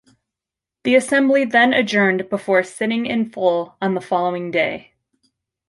The assembly then adjourned before sitting in full on the following day.